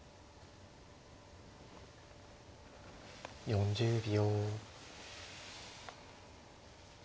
４０秒。